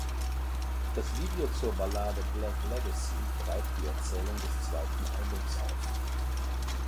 Das Video zur Ballade "Black Legacy" greift die Erzählung des zweiten Albums auf.